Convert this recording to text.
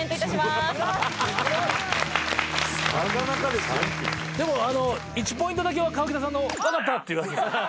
すごいなかなかですよでも１ポイントだけは河北さんの「分かった！」っていうやつですよ